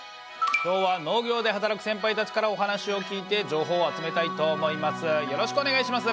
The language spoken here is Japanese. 今日は農業で働くセンパイたちからお話を聞いて情報を集めたいと思います。